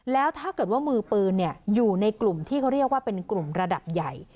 แล้วถ้าเกิดว่ามือปืนอยู่ในกลุ่มที่เขาเรียกว่าเป็นกลุ่มระดับใหญ่